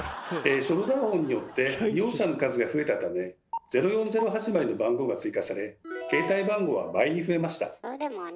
ショルダーホンによって利用者の数が増えたため「０４０」始まりの番号が追加され携帯番号は倍に増えました。